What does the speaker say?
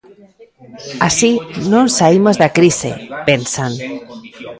"Así non saímos da crise", pensan.